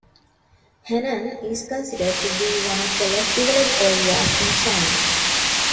Henan is considered to be one of the less developed areas in China.